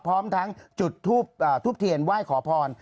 พร้อมทั้งจุดทูบเทียนไหว้ขอพร